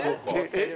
えっ？